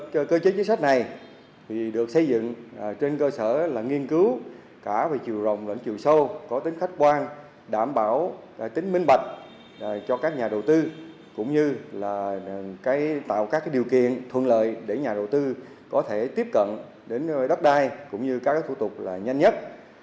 cơ chế chính sách này được xây dựng trên cơ sở nghiên cứu cả về chiều rộng và chiều sâu có tính khách quan đảm bảo tính minh bạch cho các nhà đầu tư cũng như là tạo các điều kiện thuận lợi để nhà đầu tư có thể tiếp cận đến đất đai cũng như các thủ tục là nhanh nhất